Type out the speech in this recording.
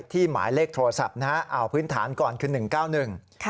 ที่หมายเลขโทรศัพท์เอาพื้นฐานก่อนคือ๑๙๑๒๐๘๑๔๒๑๙๒๔๙